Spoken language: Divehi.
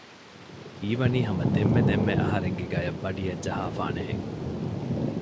ހީވަނީ ހަމަ ދެންމެ ދެންމެ އަހަރެންގެ ގަޔަށް ބަޑިއެއް ޖަހާފާނެހެން